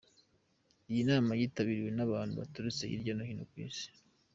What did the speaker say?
Iyi nama yitabiriwe n'abantu baturutse hirya no hino ku isi.